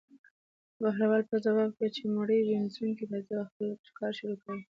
بهلول په ځواب کې وویل: چې مړي وينځونکی راځي او خپل کار شروع کوي.